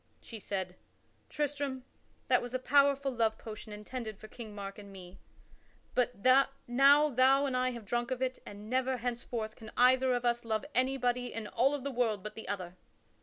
She said: "Tristram, that was a powerful love potion intended for King Mark and me. But now thou and I have drunk of it and never henceforth can either of us love anybody in all of the world but the other."